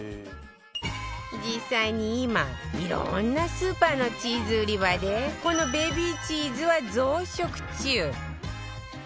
実際に今色んなスーパーのチーズ売り場でこのベビーチーズは増殖中